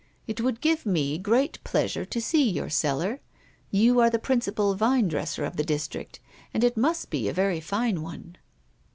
"It would give me great pleasure to see your cellar. You are the principal vinedresser of the district, and it must be a very fine one."